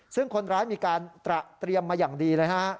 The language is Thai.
ซึ่งคนร้ายมีการตระเตรียมมาอย่างดีเลยฮะ